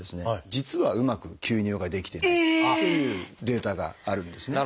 実はうまく吸入ができてないっていうデータがあるんですね。